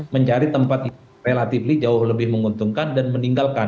mencari tempat yang relatif jauh lebih menguntungkan dan meninggalkan